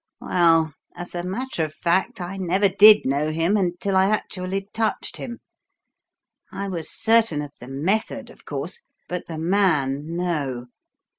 "Well, as a matter of fact, I never did know him until I actually touched him. I was certain of the method, of course; but the man no.